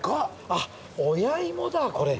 あっ親芋だこれ。